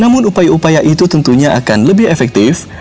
namun upaya upaya itu tentunya akan lebih efektif